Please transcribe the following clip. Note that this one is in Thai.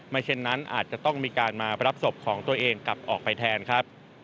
เช่นนั้นอาจจะต้องมีการมารับศพของตัวเองกลับออกไปแทนครับ